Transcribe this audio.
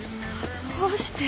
どうして？